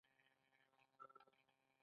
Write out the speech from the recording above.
خدای د حقې لارې مل دی